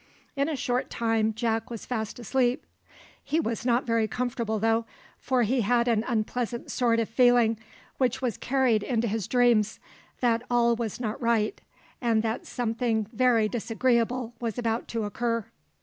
In a short time Jack was fast asleep. He was not very comfortable though, for he had an unpleasant sort of feeling, which was carried into his dreams, that all was not right, and that something very disagreeable was about to occur.